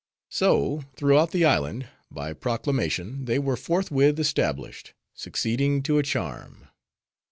So, throughout the island, by proclamation, they were forthwith established; succeeding to a charm.